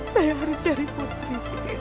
saya harus cari putri